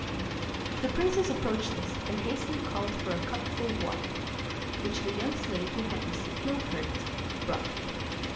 The princess approached us, and hastily called for a cup full of water, which the young slave, who had received no hurt, brought her.